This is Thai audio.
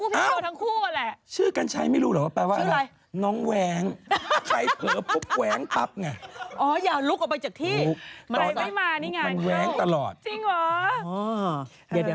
เมื่อวานนี้ก็มีคนเมาเรื่องไส้กอกเยอรมันอยู่ว่าพี่คงชอบกิน